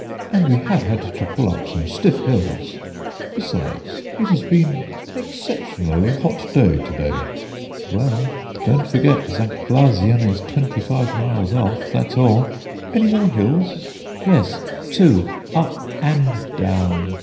"And we have had to pull up some stiff hills." "Besides, it has been an exceptionally hot day to day." "Well, don't forget St. Blasien is twenty five miles off, that's all." "Any more hills?" "Yes, two; up and down."